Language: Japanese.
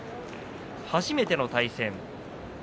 初めての対戦。